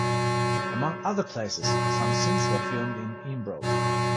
Among other places, some scenes were filmed in Imbros.